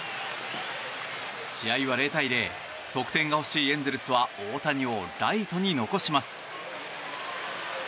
試合は０対０得点が欲しいエンゼルスは大谷をライトに残します。